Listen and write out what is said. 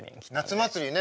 夏祭りね。